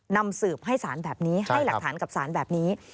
นำสืบให้สารแบบนี้ให้หลักฐานกับสารแบบนี้